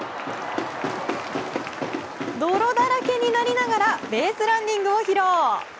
泥だらけになりながらベースランニングを披露！